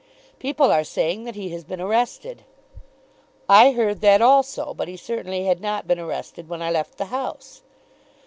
"People are saying that he has been arrested." "I heard that also; but he certainly had not been arrested when I left the House."